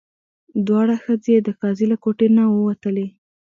دواړه ښځې د قاضي له کوټې نه ووتلې.